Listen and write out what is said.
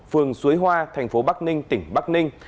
phường suối hoa thành phố bắc ninh tỉnh bắc ninh